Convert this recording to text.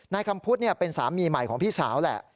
นายคำพุทธเป็นสามีใหม่ของพี่สาวแหละ